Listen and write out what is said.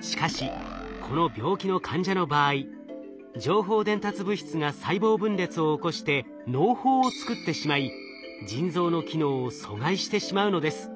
しかしこの病気の患者の場合情報伝達物質が細胞分裂を起こして嚢胞を作ってしまい腎臓の機能を阻害してしまうのです。